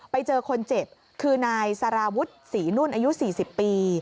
ไปเจอคนเจ็บคือนายสารวุฒิศรีนุ่นอายุ๔๐ปี